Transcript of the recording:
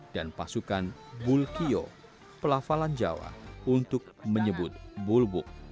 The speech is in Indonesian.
dan pasukan bulkiyo pelafalan jawa untuk menyebut bulbuk